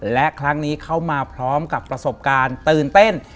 และครั้งนี้เข้ามาพร้อมกับประสบการณ์ตื่นเต้น